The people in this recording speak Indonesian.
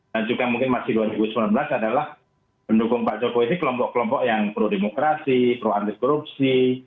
dan juga mungkin masih dua ribu sembilan belas adalah pendukung pak jokowi ini kelompok kelompok yang pro demokrasi pro antis korupsi